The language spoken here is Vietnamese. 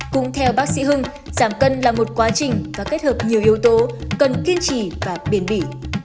cũng theo bác sĩ hưng giảm cân là một quá trình và kết hợp nhiều yếu tố cần kiên trì và bền bỉ